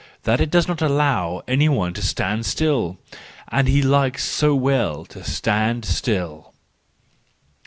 that it does not allow any one to stand still!—And he likes so well to stand still!